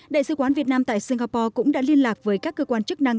đại sứ quán việt nam tại singapore cũng đã liên lạc với các cơ quan chức năng